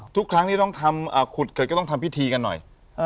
ทุกครั้งที่ต้องทำขุดเข็ดก็ต้องทำพิธีกันหน่อย